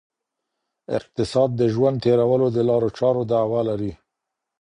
اقتصاد د ژوند تېرولو د لارو چارو دعوه لري.